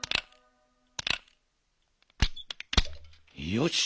よし。